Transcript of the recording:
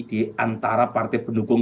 diantara partai pendukung